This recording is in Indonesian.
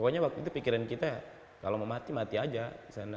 pokoknya waktu itu pikiran kita kalau mau mati mati aja di sana